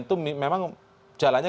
itu memang jalannya